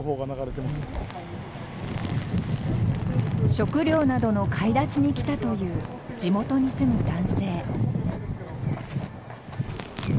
食料などの買い出しに来たという地元に住む男性。